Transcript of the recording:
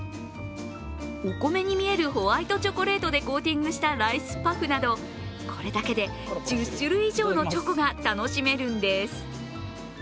お米に見えるホワイトチョコレートでコーティングしたライスパフなどこれだけで１０種類以上のチョコが楽しめるんです。